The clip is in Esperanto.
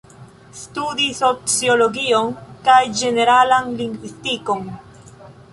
Studis sociologion kaj ĝeneralan lingvistikon.